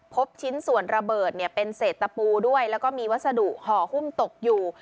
พบชิ้นส่วนระเบิดเป็นเศษตะปูด้วยแล้วก็มีวัสดุห่อหุ้มตกอยู่